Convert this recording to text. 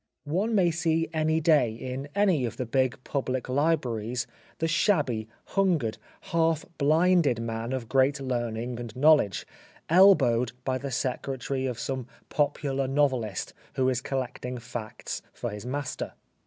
One may see any day in any of the big public libraries, the shabby, hungered, half blinded man of great learning and knowledge elbowed by the secretary of some popular novelist who is collecting facts for his master.